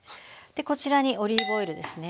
こちらにオリーブオイルですね。